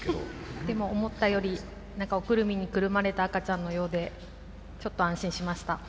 でも思ったよりおくるみにくるまれた赤ちゃんのようでちょっと安心しました。